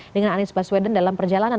dengan anies baswedan dalam perjalanan